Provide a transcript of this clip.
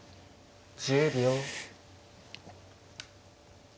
１０秒。